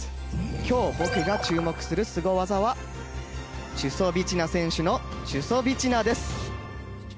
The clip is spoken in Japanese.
今日、僕が注目するスゴ技はチュソビチナ選手のチュソビチナです。